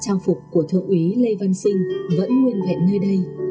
trang phục của thượng úy lê văn sinh vẫn nguyên vẹn nơi đây